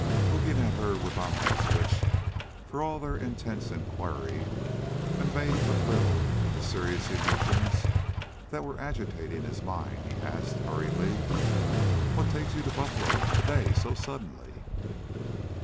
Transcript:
Looking at her with eyes which, for all their intense inquiry, conveyed but little of the serious emotions that were agitating his mind, he asked, hurriedly: "What takes you to Buffalo to day so suddenly?"